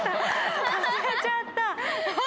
忘れちゃった！